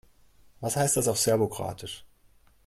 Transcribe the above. Was heißt das auf Serbokroatisch?